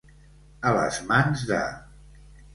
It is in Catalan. A les mans de.